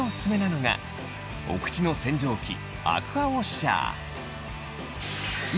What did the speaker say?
そこでおすすめなのが、口の洗浄機、アクアウォッシャー。